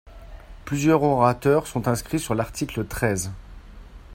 Plusieurs orateurs sont inscrits sur l’article treize.